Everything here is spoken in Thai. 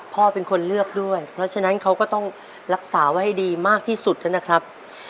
พ่อเป็นคนเลือกด้วยเพราะฉะนั้นเขาก็ต้องรักษาไว้ให้ดีมากที่สุดนะครับ